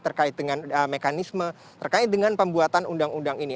terkait dengan mekanisme terkait dengan pembuatan undang undang ini